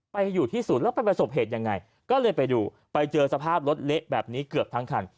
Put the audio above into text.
ไปอยู่ที่ศูนย์แล้วไปประสบเหตุยังไงก็เลยไปดูไปเจอสภาพรถเละแบบนี้เกือบทั้งคัน